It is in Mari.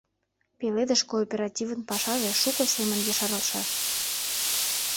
«Пеледыш» кооперативын пашаже шуко семын ешаралтшаш.